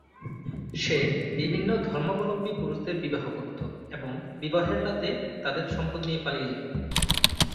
সে বিভিন্ন ধর্মাবলম্বী পুরুষদের বিবাহ করত এবং বিবাহের রাতে তাদের সম্পদ নিয়ে পালিয়ে যেত।